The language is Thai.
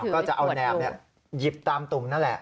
ก็จะเอาแนบหยิบตามตุ่มนั่นแหละ